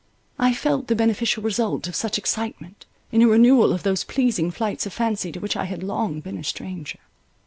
I felt the beneficial result of such excitement, in a renewal of those pleasing flights of fancy to which I had long been a stranger.